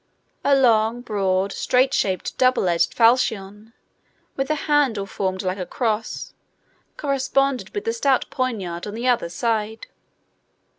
A long, broad, straight shaped, double edged falchion, with a handle formed like a cross, corresponded with a stout poniard on the other side.